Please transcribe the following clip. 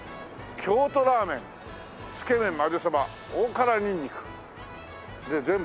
「京都ラーメン」「つけ麺まぜそば」「大辛にんにく」ねえ全部。